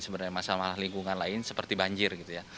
sebenarnya masalah lingkungan lain seperti banjir